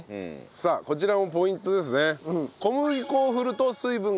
さあこちらもポイントですね。